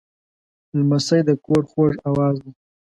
لمسی د کور خوږ آواز دی.